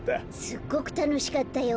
すっごくたのしかったよ。